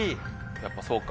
やっぱそうか。